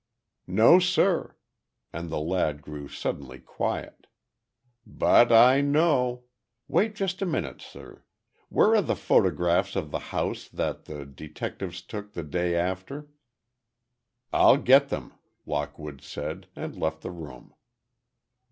"No, sir," and the lad grew suddenly quiet. "But I know. Wait just a minute, sir. Where are the photographs of the house that the detectives took the day after?" "I'll get them," Lockwood said, and left the room.